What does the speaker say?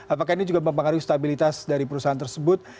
apakah ini juga mempengaruhi stabilitas dari perusahaan tersebut